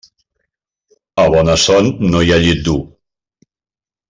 A bona son no hi ha llit dur.